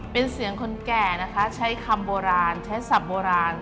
เป็นเสียงคนแก่นะคะใช้คำโบราณใช้ศัพท์โบราณ